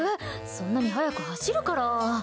そんなに速く走るから。